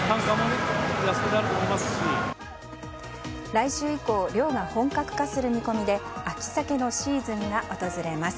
来週以降漁が本格化する見込みで秋サケのシーズンが訪れます。